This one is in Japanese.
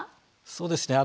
そうですね